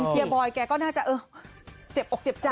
เฮบอยแกก็น่าจะเจ็บอกเจ็บใจ